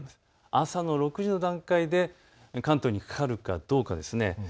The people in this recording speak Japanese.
朝６時の段階で関東にかかるかどうかですね。